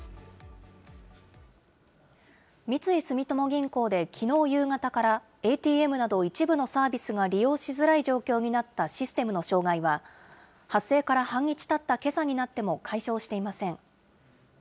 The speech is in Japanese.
三井住友銀行できのう夕方から、ＡＴＭなど一部のサービスが利用しづらい状況になったシステムの障害は、発生から半日たったけさになっても、解消していません。